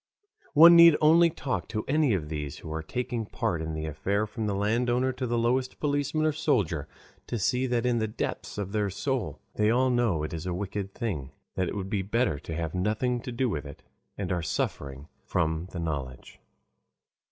One need only talk to any of these who are taking part in the affair from the landowner to the lowest policeman or soldier to see that in the depth of their soul they all know it is a wicked thing, that it would be better to have nothing to do with it, and are suffering from the knowledge.